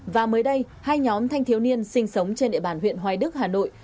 và mới đây hai nhóm thanh thiếu niên sinh sống trên địa bàn huyện hoài đức hà nội